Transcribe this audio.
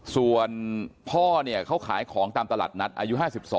ส่วนพ่อเนี่ยเขาขายของตามตลาดนัดอายุ๕๒